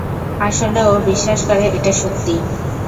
আসলে, ও বিশ্বাস করে এটা সত্যি।